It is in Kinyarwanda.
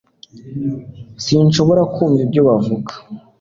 sinshobora kumva ibyo bavuga